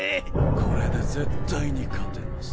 これで絶対に勝てます。